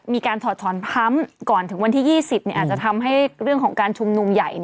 ถอดถอนพร้ำก่อนถึงวันที่๒๐อาจจะทำให้เรื่องของการชุมนุมใหญ่